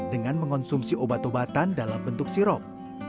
dengan mengonsumsi obat obatan dalam bentuk sirop